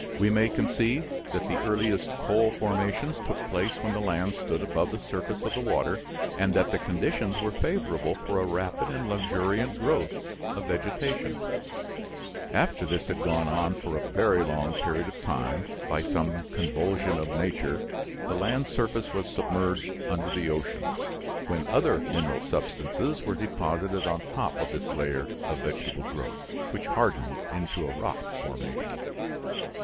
We may conceive that the earliest coal formations took place when the land stood above the surface of the water, and that the conditions were favorable for a rapid and luxuriant growth of vegetation; after this had gone on for a very long period of time, by some convulsion of nature the land surface was submerged under the ocean, when other mineral substances were deposited on top of this layer of vegetable growth, which hardened into a rock formation.